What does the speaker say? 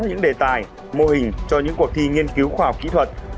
những đề tài mô hình cho những cuộc thi nghiên cứu khoa học kỹ thuật